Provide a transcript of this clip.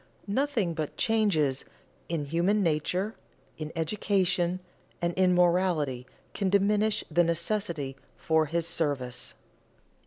Nothing but changes in human nature, in education, and in morality can diminish the necessity for his service.